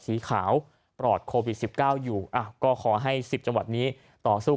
สีขาวปลอดโควิด๑๙อยู่ก็ขอให้๑๐จังหวัดนี้ต่อสู้